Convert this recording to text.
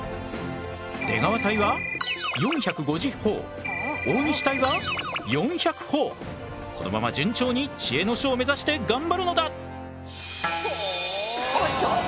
出川隊は大西隊はこのまま順調に知恵の書を目指して頑張るのだ！